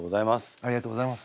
ありがとうございます。